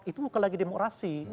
itu bukan lagi demokrasi